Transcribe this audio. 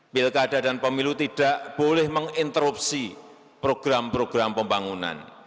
pilkada dan pemilu tidak boleh menginterupsi program program pembangunan